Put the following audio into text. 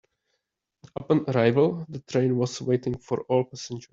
Upon arrival, the train was waiting for all passengers.